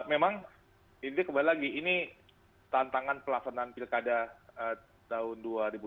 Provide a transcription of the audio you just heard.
memang ini kembali lagi ini tantangan pelaksanaan pilkada tahun dua ribu dua puluh